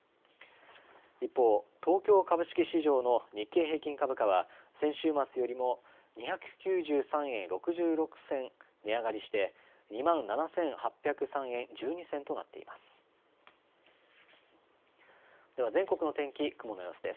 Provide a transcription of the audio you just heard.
一方、東京株式市場の日経平均株価は先週末よりも２９３円６６銭値上がりして２万７８０３円１２銭となっています。